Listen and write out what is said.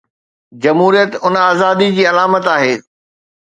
جمهوريت ان آزادي جي علامت آهي.